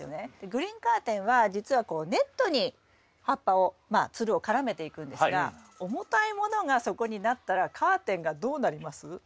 グリーンカーテンはじつはこうネットに葉っぱをまあつるを絡めていくんですが重たいものがそこになったらカーテンがどうなります？